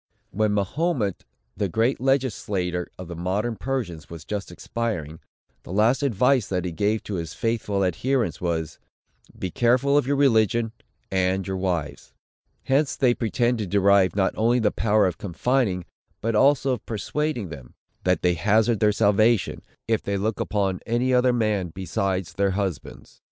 When Mahomet, the great legislator of the modern Persians, was just expiring, the last advice that he gave to his faithful adherents, was, "Be watchful of your religion, and your wives." Hence they pretend to derive not only the power of confining, but also of persuading them, that they hazard their salvation, if they look upon any other man besides their husbands.